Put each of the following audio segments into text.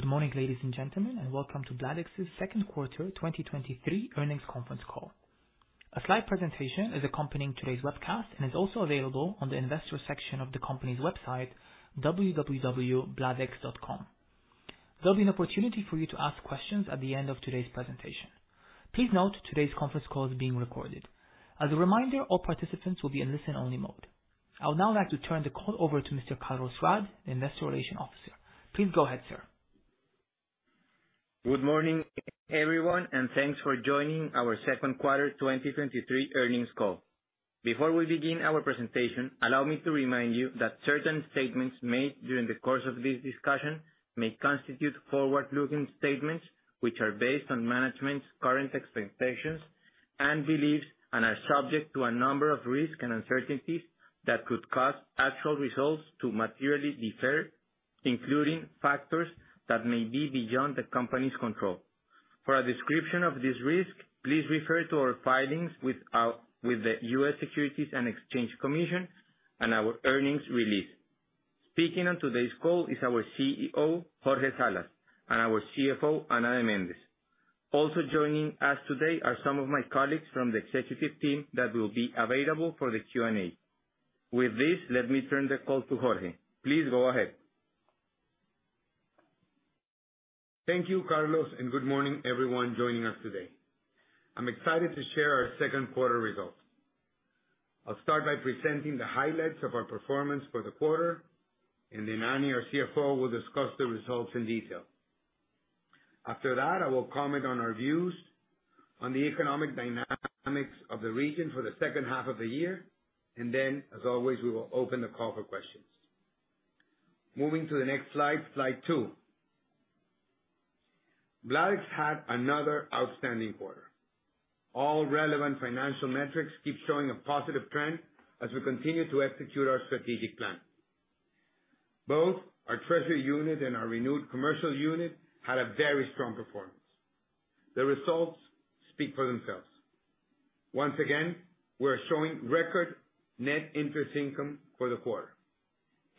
Good morning, ladies and gentlemen, and welcome to Bladex's second quarter 2023 earnings conference call. A slide presentation is accompanying today's webcast and is also available on the investor section of the company's website, www.bladex.com. There'll be an opportunity for you to ask questions at the end of today's presentation. Please note, today's conference call is being recorded. As a reminder, all participants will be in listen-only mode. I would now like to turn the call over to Mr. Carlos de Raad, Investor Relation Officer. Please go ahead, sir. Good morning, everyone, and thanks for joining our second quarter 2023 earnings call. Before we begin our presentation, allow me to remind you that certain statements made during the course of this discussion may constitute forward-looking statements, which are based on management's current expectations and beliefs, and are subject to a number of risks and uncertainties that could cause actual results to materially differ, including factors that may be beyond the company's control. For a description of this risk, please refer to our filings with the US Securities and Exchange Commission and our earnings release. Speaking on today's call is our CEO, Jorge Salas, and our CFO, Ana Mendez. Also joining us today are some of my colleagues from the executive team that will be available for the Q&A. With this, let me turn the call to Jorge. Please go ahead. Thank you, Carlos. Good morning everyone joining us today. I'm excited to share our second quarter results. I'll start by presenting the highlights of our performance for the quarter. Ana, our CFO, will discuss the results in detail. After that, I will comment on our views on the economic dynamics of the region for the second half of the year. As always, we will open the call for questions. Moving to the next slide two. Bladex had another outstanding quarter. All relevant financial metrics keep showing a positive trend as we continue to execute our strategic plan. Both our treasury unit and our renewed commercial unit had a very strong performance. The results speak for themselves. Once again, we're showing record net interest income for the quarter.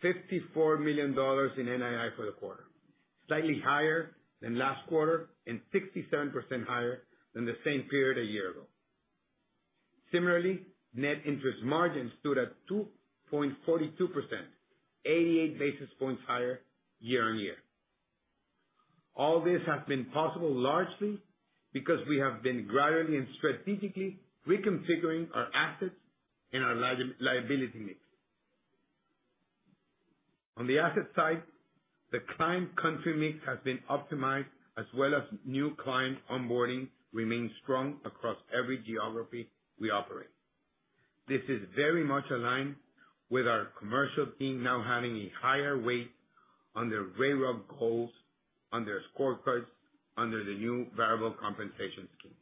$54 million in NII for the quarter, slightly higher than last quarter, and 67% higher than the same period a year ago. Similarly, net interest margin stood at 2.42%, 88 basis points higher year-on-year. All this has been possible largely because we have been gradually and strategically reconfiguring our assets and our liability mix. On the asset side, the client country mix has been optimized, as well as new client onboarding remains strong across every geography we operate. This is very much aligned with our commercial team now having a higher weight under revenue goals, under scorecards, under the new variable compensation scheme.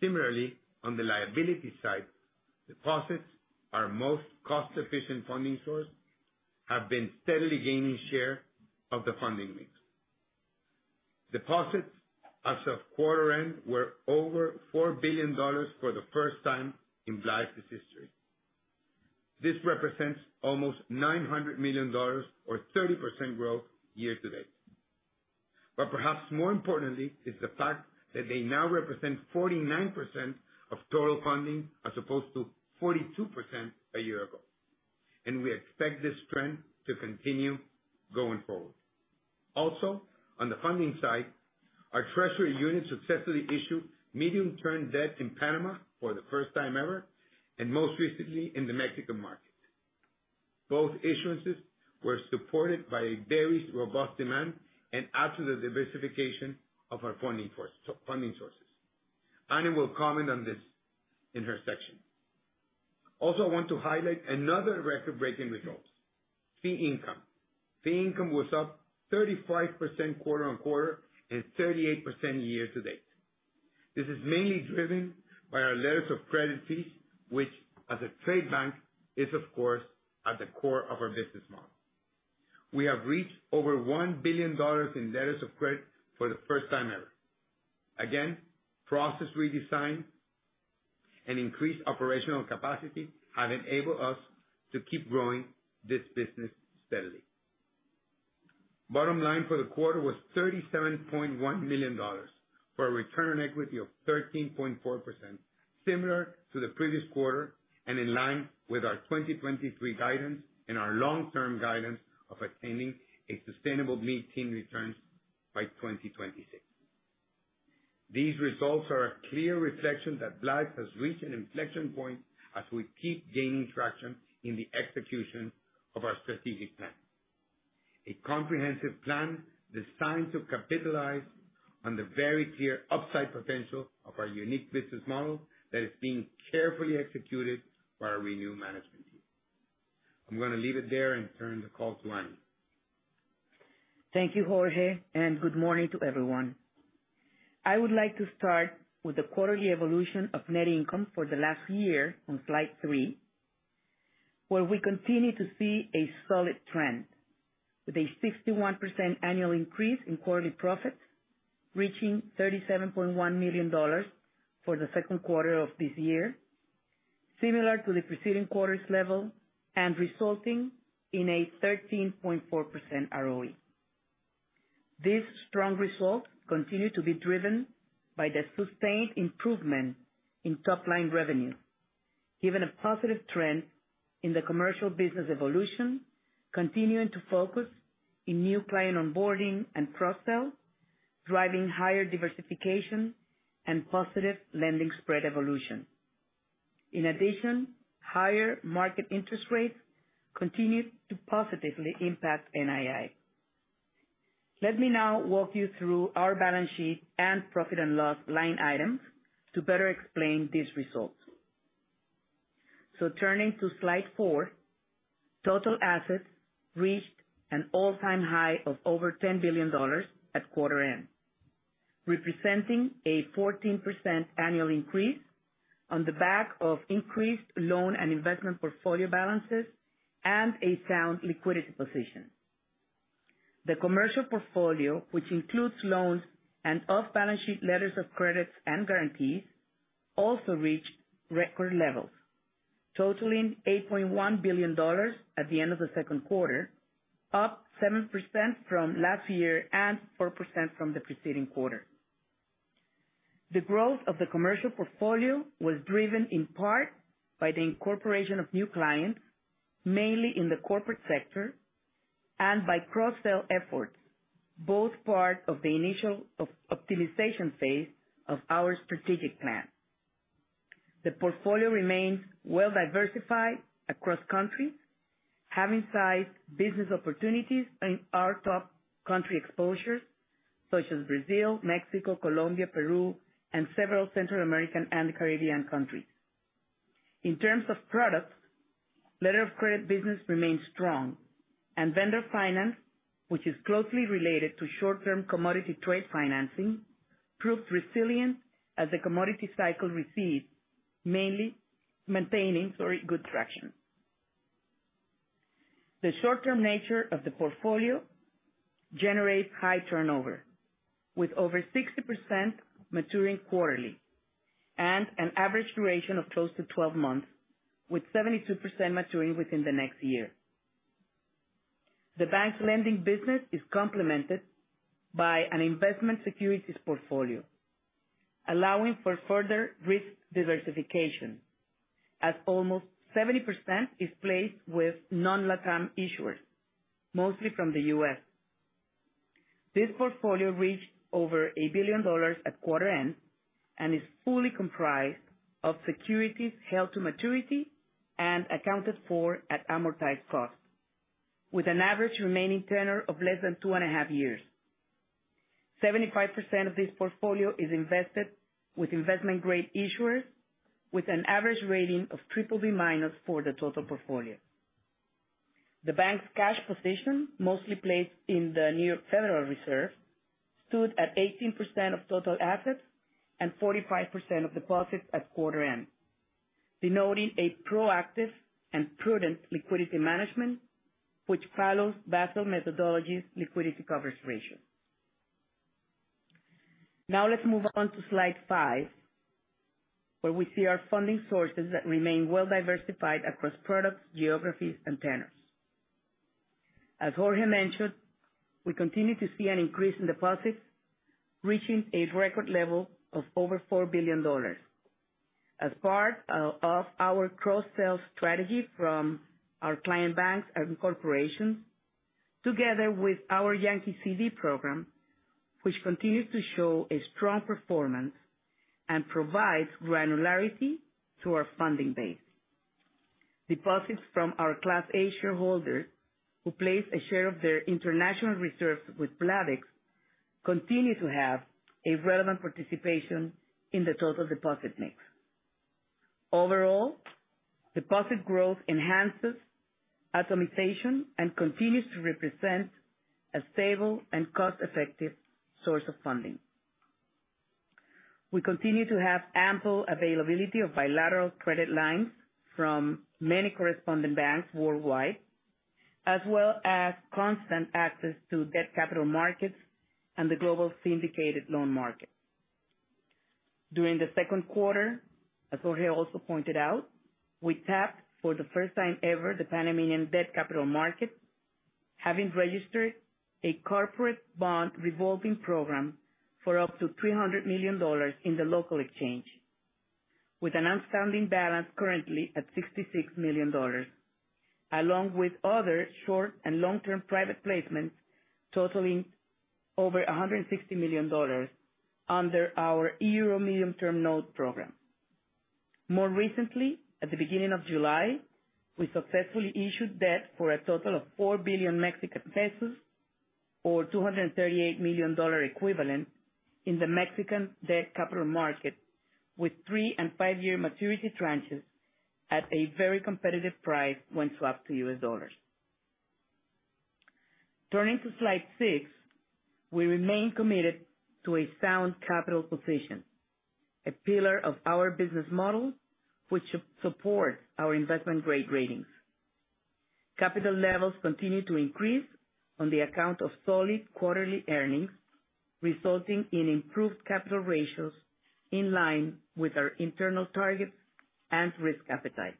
Similarly, on the liability side, deposits, our most cost-efficient funding source, have been steadily gaining share of the funding mix. Deposits as of quarter end were over four billion dollar for the first time in Bladex's history. This represents almost $900 million or 30% growth year to date. Perhaps more importantly, is the fact that they now represent 49% of total funding, as opposed to 42% a year ago. We expect this trend to continue going forward. On the funding side, our treasury unit successfully issued medium-term debt in Panama for the first time ever, and most recently in the Mexican market. Both issuances were supported by a very robust demand and absolute diversification of our funding sources. Annie will comment on this in her section. I want to highlight another record-breaking results: fee income. Fee income was up 35% quarter on quarter and 38% year to date. This is mainly driven by our letters of credit fees, which, as a trade bank, is of course, at the core of our business model. We have reached over one billion dollar in letters of credit for the first time ever. Again, process redesign and increased operational capacity have enabled us to keep growing this business steadily. Bottom line for the quarter was $37.1 million, for a return on equity of 13.4%, similar to the previous quarter and in line with our 2023 guidance and our long-term guidance of attaining a sustainable mid-teen returns by 2026. These results are a clear reflection that Bladex has reached an inflection point as we keep gaining traction in the execution of our strategic plan. A comprehensive plan designed to capitalize on the very clear upside potential of our unique business model that is being carefully executed by our renewed management team. I'm gonna leave it there and turn the call to Ani. Thank you, Jorge, and good morning to everyone. I would like to start with the quarterly evolution of net income for the last year on slide 3, where we continue to see a solid trend with a 61% annual increase in quarterly profits, reaching $37.1 million for the second quarter of this year. similar to the preceding quarter's level and resulting in a 13.4% ROE. This strong result continued to be driven by the sustained improvement in top-line revenue, given a positive trend in the commercial business evolution, continuing to focus in new client onboarding and cross-sell, driving higher diversification and positive lending spread evolution. In addition, higher market interest rates continued to positively impact NII. Let me now walk you through our balance sheet and profit and loss line items to better explain these results. Turning to slide 4, total assets reached an all-time high of over $10 billion at quarter end, representing a 14% annual increase on the back of increased loan and investment portfolio balances and a sound liquidity position. The commercial portfolio, which includes loans and off-balance sheet letters of credit and guarantees, also reached record levels, totaling $8.1 billion at the end of the Q2, up seven percent from last year and four percent from the preceding quarter. The growth of the commercial portfolio was driven in part by the incorporation of new clients, mainly in the corporate sector and by cross-sell efforts, both part of the initial optimization phase of our strategic plan. The portfolio remains well-diversified across countries, having sized business opportunities in our top country exposures, such as Brazil, Mexico, Colombia, Peru, and several Central American and Caribbean countries. In terms of products, letter of credit business remains strong, and vendor finance, which is closely related to short-term commodity trade financing, proved resilient as the commodity cycle recedes, mainly maintaining, sorry, good traction. The short-term nature of the portfolio generates high turnover, with over 60% maturing quarterly and an average duration of close to 12 months, with 72% maturing within the next year. The bank's lending business is complemented by an investment securities portfolio, allowing for further risk diversification, as almost 70% is placed with non-LATAM issuers, mostly from the U.S. This portfolio reached over one billion dollar at quarter end and is fully comprised of securities held to maturity and accounted for at amortized cost, with an average remaining tenure of less than two and a half years. 75% of this portfolio is invested with investment-grade issuers, with an average rating of BBB- for the total portfolio. The bank's cash position, mostly placed in the New York Federal Reserve, stood at 18% of total assets and 45% of deposits at quarter end, denoting a proactive and prudent liquidity management, which follows Basel methodology's Liquidity Coverage Ratio. Let's move on to slide 5, where we see our funding sources that remain well-diversified across products, geographies, and tenors. As Jorge mentioned, we continue to see an increase in deposits, reaching a record level of over four billion dollar. As part of our cross-sell strategy from our client banks and corporations, together with our Yankee CD program, which continues to show a strong performance and provides granularity to our funding base. Deposits from our Class A shareholders, who place a share of their international reserves with Bladex, continue to have a relevant participation in the total deposit mix. Overall, deposit growth enhances atomization and continues to represent a stable and cost-effective source of funding. We continue to have ample availability of bilateral credit lines from many correspondent banks worldwide, as well as constant access to debt capital markets and the global syndicated loan market. During the second quarter, as Jorge also pointed out, we tapped, for the first time ever, the Panamanian debt capital market, having registered a corporate bond revolving program for up to $300 million in the local exchange, with an outstanding balance currently at $66 million, along with other short- and long-term private placements totaling over $160 million under our Euro Medium Term Note program. More recently, at the beginning of July, we successfully issued debt for a total of 4 billion Mexican pesos, or $238 million equivalent, in the Mexican debt capital market, with 3- and 5-year maturity tranches at a very competitive price when swapped to US dollars. Turning to slide six, we remain committed to a sound capital position, a pillar of our business model, which supports our investment-grade ratings. Capital levels continue to increase on the account of solid quarterly earnings, resulting in improved capital ratios in line with our internal targets and risk appetite.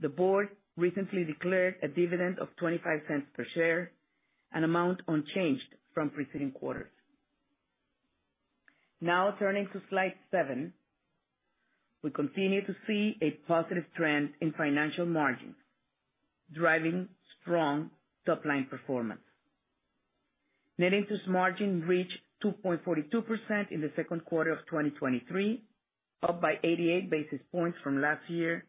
The board recently declared a dividend of $0.25 per share, an amount unchanged from preceding quarters. Turning to slide seven. We continue to see a positive trend in financial margins, driving strong top-line performance. Net interest margin reached 2.42% in the second quarter of 2023, up by 88 basis points from last year,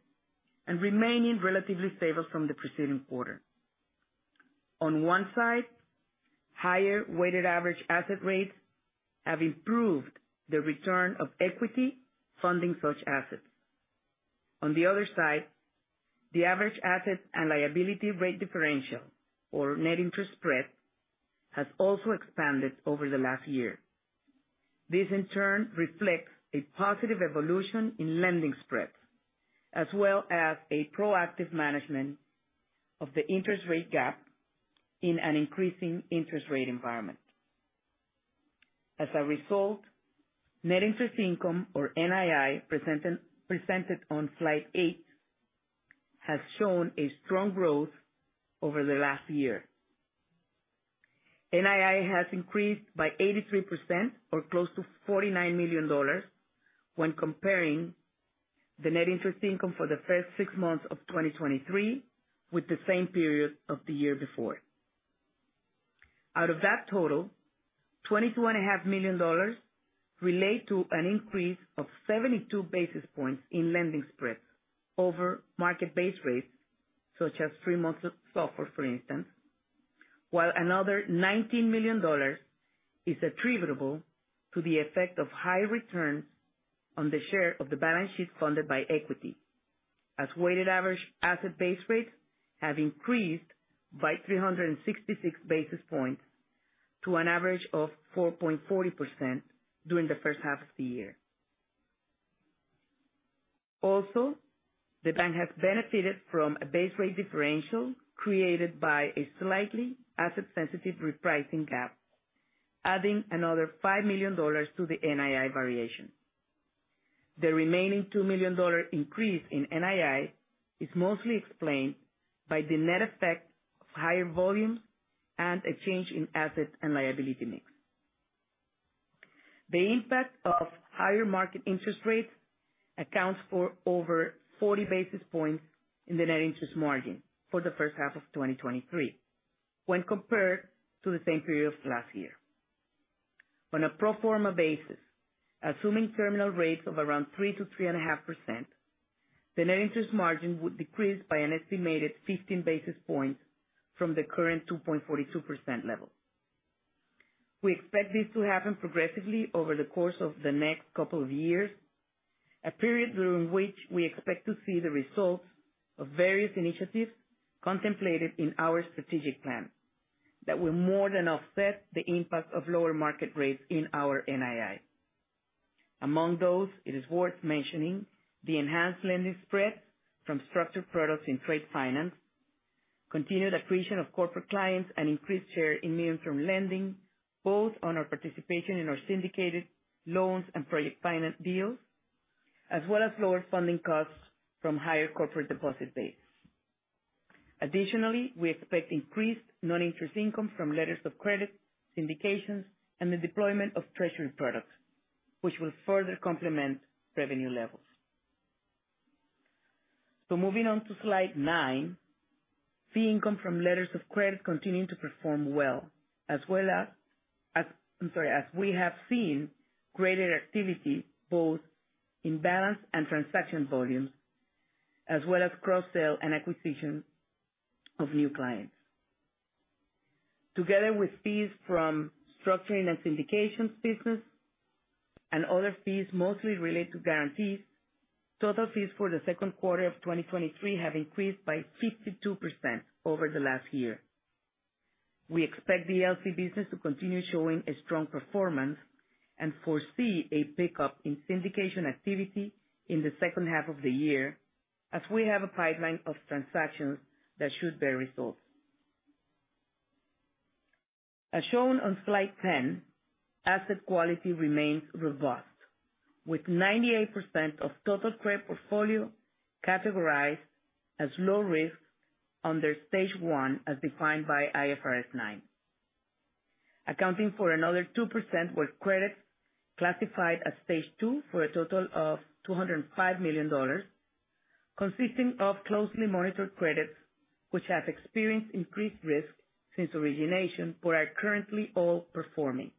and remaining relatively stable from the preceding quarter. On one side, higher weighted average asset rates have improved the return of equity funding such assets. On the other side, the average asset and liability rate differential, or net interest spread, has also expanded over the last year. This, in turn, reflects a positive evolution in lending spreads, as well as a proactive management of the interest rate gap in an increasing interest rate environment. As a result, net interest income, or NII, presented on slide 8, has shown a strong growth over the last year. NII has increased by 83%, or close to $49 million, when comparing the net interest income for the first six months of 2023 with the same period of the year before. Out of that total, twenty-two and a half million dollars relate to an increase of 72 basis points in lending spreads over market base rates, such as three months SOFR, for instance, while another $19 million is attributable to the effect of higher returns on the share of the balance sheet funded by equity, as weighted average asset base rates have increased by 366 basis points to an average of 4.40% during the first half of the year. The bank has benefited from a base rate differential created by a slightly asset-sensitive repricing gap, adding another five million dollar to the NII variation. The remaining two million dollar increase in NII is mostly explained by the net effect of higher volumes and a change in asset and liability mix. The impact of higher market interest rates accounts for over 40 basis points in the net interest margin for the first half of 2023 when compared to the same period of last year. On a pro forma basis, assuming terminal rates of around 3% - 3.5%, the net interest margin would decrease by an estimated 15 basis points from the current 2.42% level. We expect this to happen progressively over the course of the next couple of years, a period during which we expect to see the results of various initiatives contemplated in our strategic plan, that will more than offset the impact of lower market rates in our NII. Among those, it is worth mentioning the enhanced lending spread from structured products in trade finance, continued accretion of corporate clients, and increased share in medium-term lending, both on our participation in our syndicated loans and project finance deals, as well as lower funding costs from higher corporate deposit base. Additionally, we expect increased non-interest income from letters of credit, syndications, and the deployment of treasury products, which will further complement revenue levels. Moving on to slide nine. Fee income from letters of credit continuing to perform well, as well as, I'm sorry, as we have seen greater activity both in balance and transaction volumes, as well as cross-sale and acquisition of new clients. Together with fees from structuring and syndications business and other fees mostly related to guarantees, total fees for the second quarter of 2023 have increased by 52% over the last year. We expect the LC business to continue showing a strong performance and foresee a pickup in syndication activity in the second half of the year, as we have a pipeline of transactions that should bear results. As shown on slide 10, asset quality remains robust, with 98% of total credit portfolio categorized as low risk under Stage one, as defined by IFRS9. Accounting for another two percent were credits classified as Stage two for a total of $205 million, consisting of closely monitored credits, which have experienced increased risk since origination, but are currently all performing.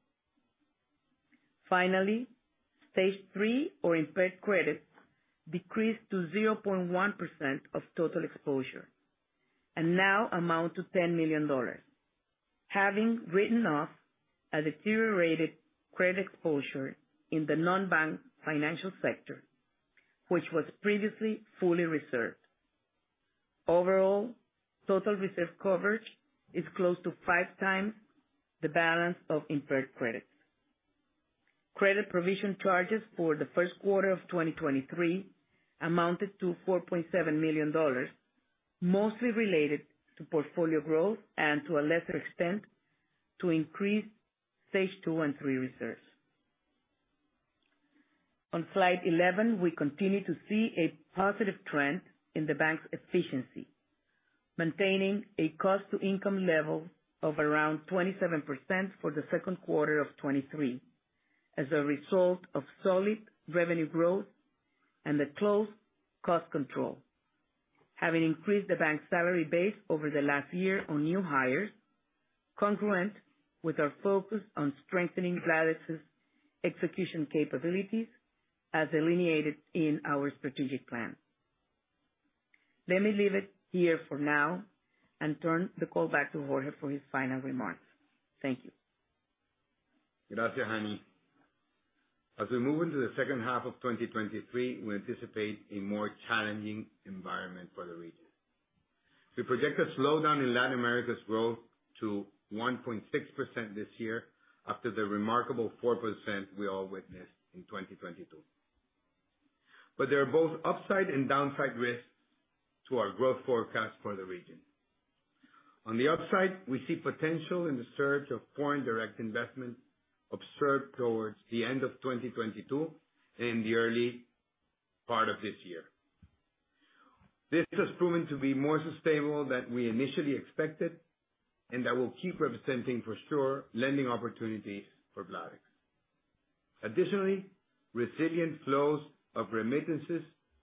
Finally, Stage three, or impaired credits, decreased to zero point one percent of total exposure and now amount to $10 million, having written off a deteriorated credit exposure in the non-bank financial sector, which was previously fully reserved. Overall, total reserve coverage is close to 5 times the balance of impaired credits. Credit provision charges for the first quarter of 2023 amounted to $4.7 million, mostly related to portfolio growth, and to a lesser extent, to increase Stage 2 and 3 reserves. On slide 11, we continue to see a positive trend in the bank's efficiency, maintaining a cost-to-income level of around 27% for the second quarter of 2023, as a result of solid revenue growth and the close cost control. Having increased the bank's salary base over the last year on new hires, congruent with our focus on strengthening Bladex's execution capabilities as delineated in our strategic plan. Let me leave it here for now and turn the call back to Jorge for his final remarks. Thank you. Gracias, Annie. As we move into the second half of 2023, we anticipate a more challenging environment for the region. We project a slowdown in Latin America's growth to one point six percent this year, after the remarkable four percent we all witnessed in 2022. There are both upside and downside risks to our growth forecast for the region. On the upside, we see potential in the surge of foreign direct investment observed towards the end of 2022 and the early part of this year. This has proven to be more sustainable than we initially expected, that will keep representing, for sure, lending opportunities for Bladex. Additionally, resilient flows of remittances,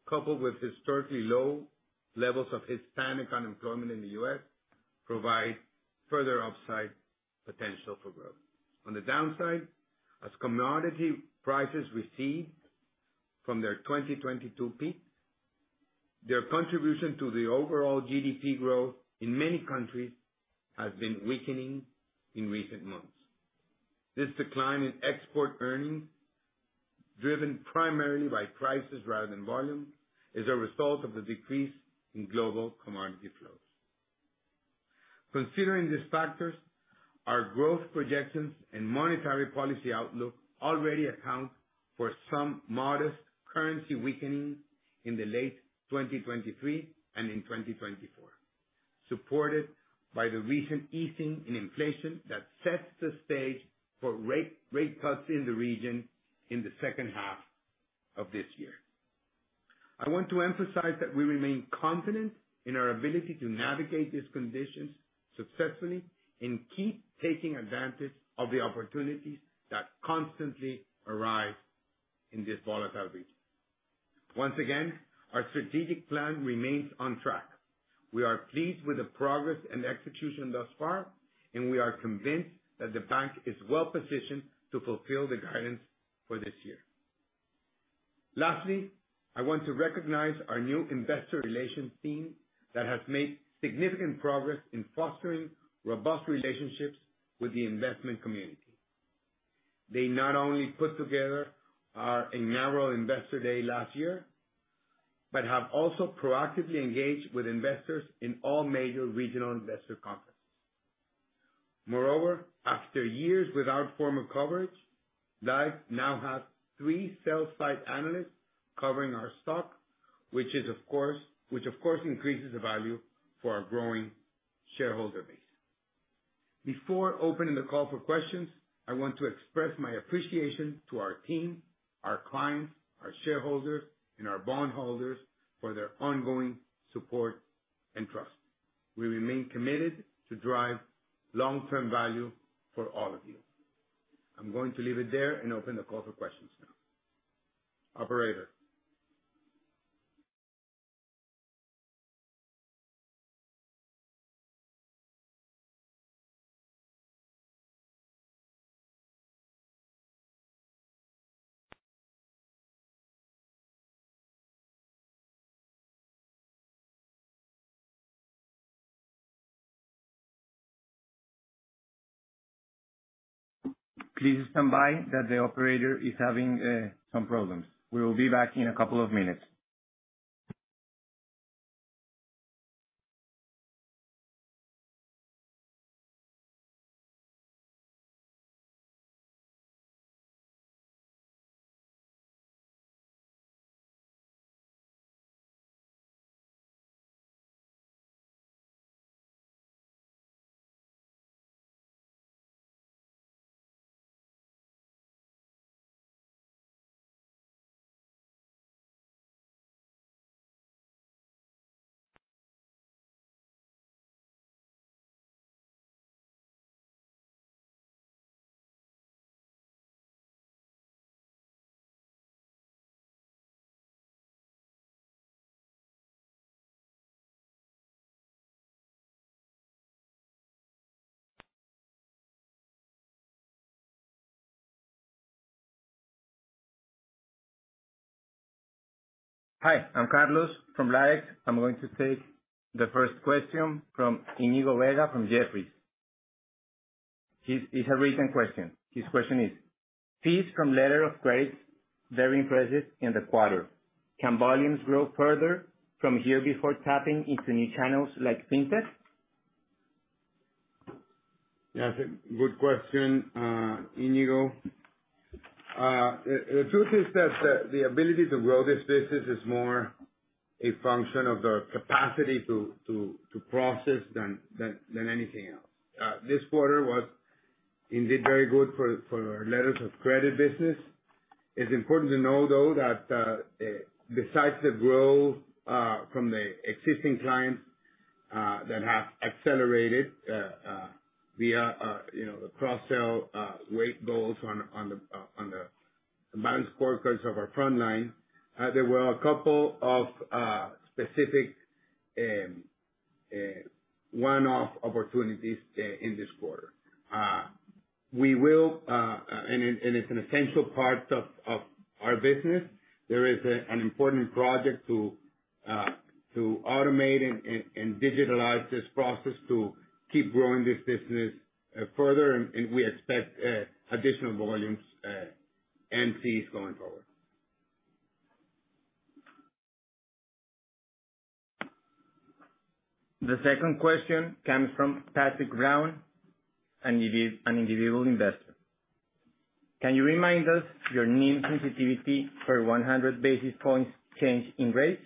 coupled with historically low levels of Hispanic unemployment in the U.S., provide further upside potential for growth. On the downside, as commodity prices recede from their 2022 peak, their contribution to the overall GDP growth in many countries has been weakening in recent months. This decline in export earnings, driven primarily by prices rather than volume, is a result of the decrease in global commodity flows. Considering these factors, our growth projections and monetary policy outlook already account for some modest currency weakening in the late 2023 and in 2024, supported by the recent easing in inflation that sets the stage for rate cuts in the region in the second half of this year. I want to emphasize that we remain confident in our ability to navigate these conditions successfully and keep taking advantage of the opportunities that constantly arise in this volatile region. Once again, our strategic plan remains on track. We are pleased with the progress and execution thus far, and we are convinced that the bank is well-positioned to fulfill the guidance for this year. Lastly, I want to recognize our new investor relations team that has made significant progress in fostering robust relationships with the investment community. They not only put together our inaugural Investor Day last year, but have also proactively engaged with investors in all major regional investor conferences. Moreover, after years without formal coverage, Bladex now has three sell-side analysts covering our stock, which of course increases the value for our growing shareholder base. Before opening the call for questions, I want to express my appreciation to our team, our clients, our shareholders, and our bondholders for their ongoing support and trust. We remain committed to drive long-term value for all of you. I'm going to leave it there and open the call for questions now. Operator? Please stand by, that the operator is having some problems. We will be back in a couple of minutes. Hi, I'm Carlos from Bladex. I'm going to take the first question from Íñigo Vega, from Jefferies. It's a written question. His question is: Fees from letters of credit, very impressive in the quarter. Can volumes grow further from here before tapping into new channels like FinTech? Yeah, it's a good question, Íñigo. The truth is that the ability to grow this business is more a function of the capacity to process than anything else. This quarter was indeed very good for our letters of credit business. It's important to know, though, that, besides the growth from the existing clients that have accelerated via, you know, the cross-sell rate goals on the balance workloads of our front line, there were a couple of specific one-off opportunities in this quarter. We will, and it's an essential part of our business, there is an important project to automate and digitalize this process to keep growing this business further, and we expect additional volumes and fees going forward. The second question comes from Patrick Brown, an individual investor. Can you remind us your NIM sensitivity for 100 basis points change in rates?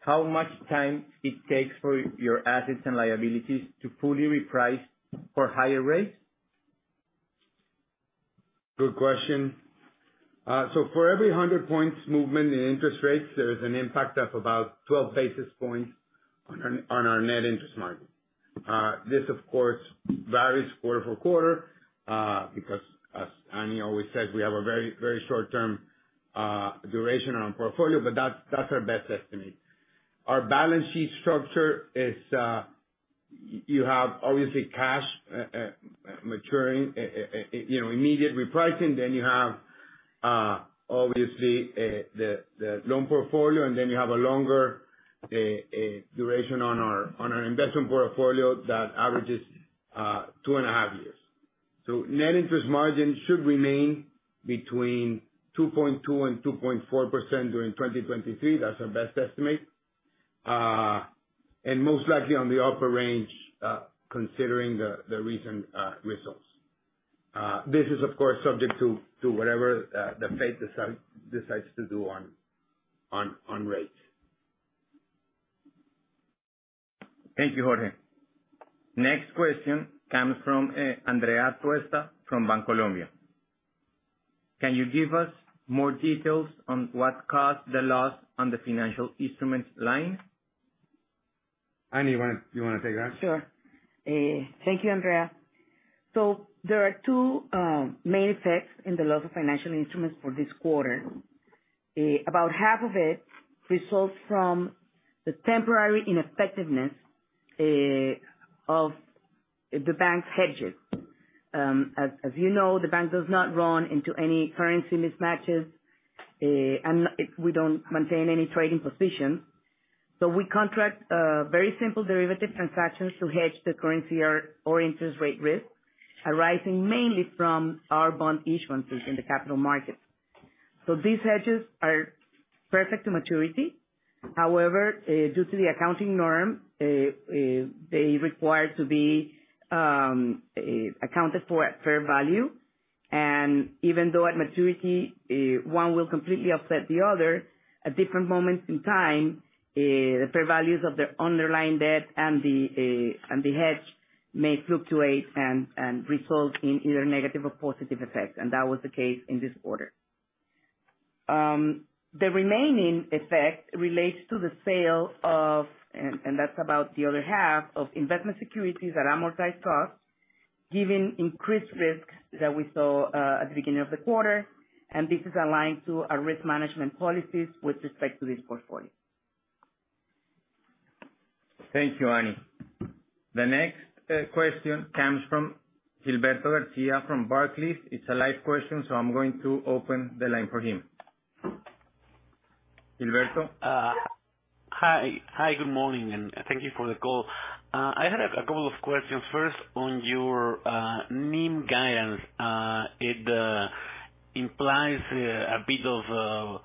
How much time it takes for your assets and liabilities to fully reprice for higher rates? Good question. For every 100 points movement in interest rates, there is an impact of about 12 basis points on our net interest margin. This, of course, varies quarter for quarter, because as Annie always said, we have a very short-term duration on portfolio, but that's our best estimate. Our balance sheet structure is, you have obviously cash maturing, you know, immediate repricing, then you have obviously the loan portfolio, and then you have a longer duration on our investment portfolio that averages two and a half years. Net interest margin should remain between 2.2% and 2.4% during 2023. That's our best estimate. Most likely on the upper range, considering the recent results. This is of course, subject to whatever the Fed decides to do on rates. Thank you, Jorge. Next question comes from, Andrea Atuesta, from Bancolombia. Can you give us more details on what caused the loss on the financial instruments line? Annie, you wanna take that? Sure. Thank you, Andrea. There are two main effects in the loss of financial instruments for this quarter. About half of it results from the temporary ineffectiveness of the bank's hedges. As you know, the bank does not run into any currency mismatches, we don't maintain any trading positions. We contract very simple derivative transactions to hedge the currency or interest rate risk, arising mainly from our bond issuances in the capital markets. These hedges are perfect to maturity. However, due to the accounting norm, they require to be accounted for at fair value. Even though at maturity, one will completely offset the other, at different moments in time, the fair values of the underlying debt and the, and the hedge may fluctuate and result in either negative or positive effects, and that was the case in this quarter. The remaining effect relates to the sale of, and that's about the other half, of investment securities at amortized cost, given increased risk that we saw, at the beginning of the quarter, and this is aligned to our risk management policies with respect to this portfolio. Thank you, Annie. The next question comes from Gilberto Garcia from Barclays. It's a live question. I'm going to open the line for him. Gilberto? Hi. Hi, good morning, and thank you for the call. I had a couple of questions. First, on your NIM guidance. It implies a bit of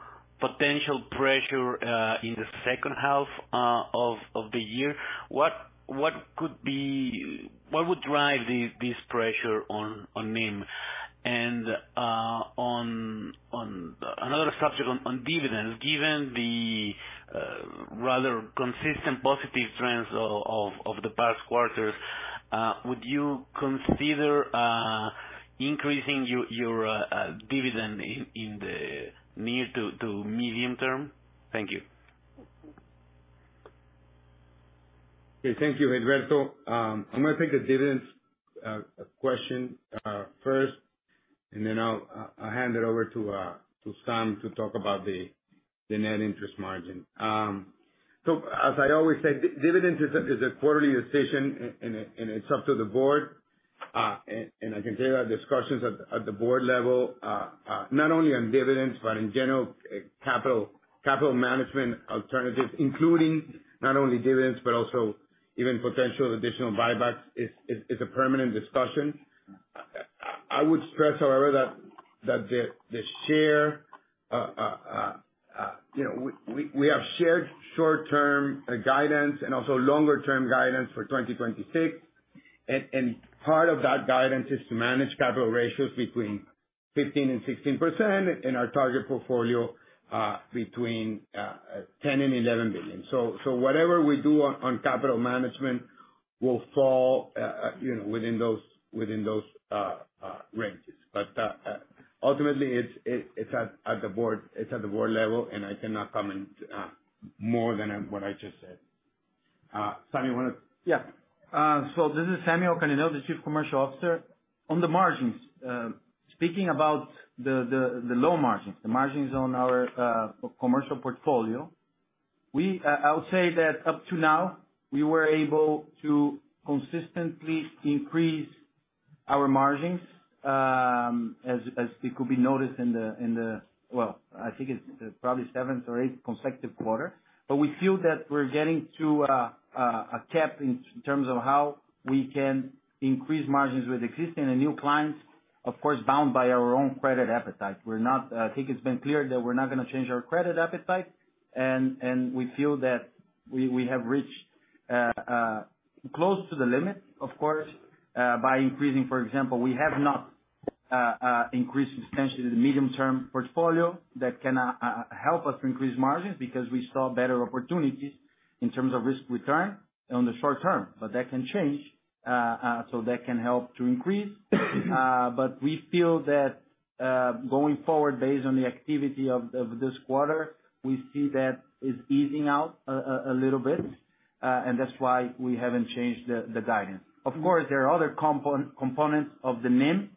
potential pressure in the second half of the year. What would drive this pressure on NIM? On another subject, on dividends, given the rather consistent positive trends of the past quarters, would you consider increasing your dividend in the near to medium term? Thank you. Okay, thank you, Gilberto. I'm gonna take the dividends question first, and then I'll hand it over to Sam to talk about the net interest margin. As I always say, dividends is a quarterly decision, and it's up to the board. I can tell you that discussions at the board level, not only on dividends, but in general, capital management alternatives, including not only dividends, but also even potential additional buybacks, is a permanent discussion. I would stress, however, that, you know, we have shared short-term guidance and also longer term guidance for 2026. Part of that guidance is to manage capital ratios between 15% and 16%, and our target portfolio, between $10 billion and $11 billion. Whatever we do on capital management will fall, you know, within those, within those ranges. Ultimately, it's at the board level, and I cannot comment more than what I just said. Samuel, you wanna. This is Samuel Canineu, the Chief Commercial Officer. On the margins, speaking about the low margins, the margins on our commercial portfolio, I would say that up to now, we were able to consistently increase our margins, as it could be noticed, probably seventh or eighth consecutive quarter. We feel that we're getting to a cap in terms of how we can increase margins with existing and new clients, of course, bound by our own credit appetite. We're not, I think it's been clear that we're not gonna change our credit appetite, and we feel that we have reached close to the limit. Of course, by increasing, for example, we have not increased substantially the medium-term portfolio that can, help us to increase margins, because we saw better opportunities in terms of risk return on the short term. That can change, so that can help to increase. We feel that, going forward, based on the activity of this quarter, we see that it's easing out a little bit, and that's why we haven't changed the guidance. Of course, there are other components of the NIM,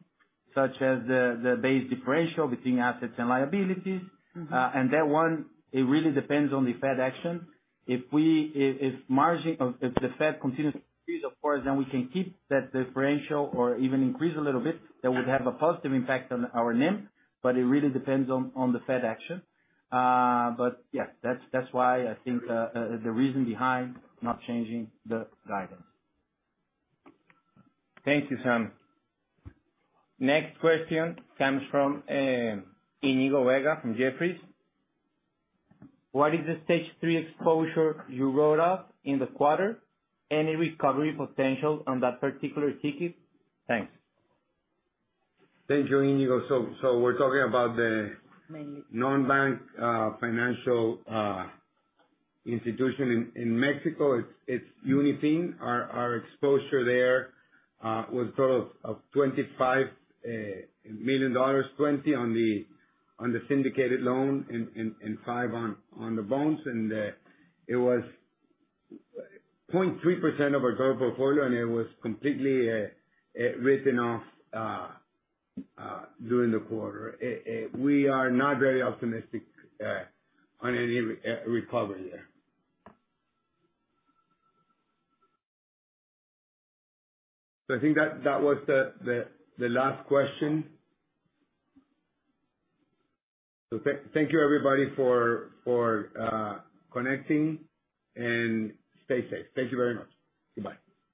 such as the base differential between assets and liabilities. That one, it really depends on the Fed action. If margin, if the Fed continues to increase, of course, then we can keep that differential or even increase a little bit, that would have a positive impact on our NIM, but it really depends on the Fed action. Yeah, that's why I think the reason behind not changing the guidance. Thank you, Sam. Next question comes from Íñigo Vega from Jefferies. "What is the Stage 3 exposure you wrote off in the quarter? Any recovery potential on that particular ticket? Thanks. Thank you, Íñigo. We're talking about. Mainly non-bank financial institution in Mexico. It's Unifin. Our exposure there was total of $25 million, $20 on the syndicated loan and five dollar on the bonds, and it was 0.3% of our total portfolio, and it was completely written off during the quarter. We are not very optimistic on any recovery there. I think that was the last question. Thank you, everybody, for connecting, and stay safe. Thank you very much. Goodbye.